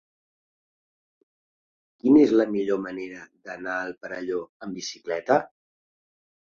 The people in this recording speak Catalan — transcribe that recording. Quina és la millor manera d'anar al Perelló amb bicicleta?